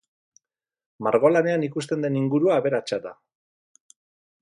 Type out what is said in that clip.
Margolanean ikusten den ingurua aberatsa da.